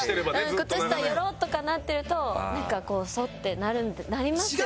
靴下よろっとかなってると何か「そっ」てなりますよ